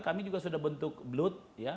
kami juga sudah bentuk blue